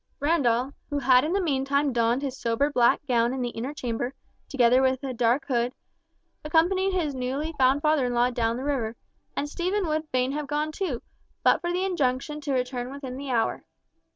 Randall, who had in the meantime donned his sober black gown in the inner chamber, together with a dark hood, accompanied his newly found father in law down the river, and Stephen would fain have gone too, but for the injunction to return within the hour.